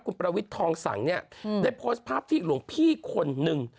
คุณประวิทย์ทองสังเนี่ยได้โพสต์ภาพที่หลวงพี่คนหนึ่ง